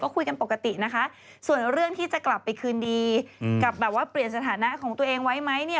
คุยกันปกตินะคะส่วนเรื่องที่จะกลับไปคืนดีกับแบบว่าเปลี่ยนสถานะของตัวเองไว้ไหมเนี่ย